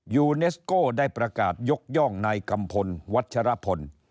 ยูเนสโก้ได้ประกาศยกย่องนายกัมพลวัชรพล